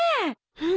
うん？